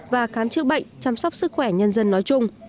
và khám chữa bệnh chăm sóc sức khỏe nhân dân nói chung